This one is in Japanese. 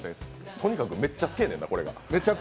とにかくめっちゃ好きやねんな、これが。